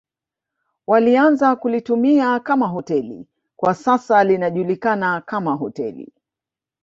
Walianza kulitumia kama hoteli kwa sasa linajulikana kama hoteli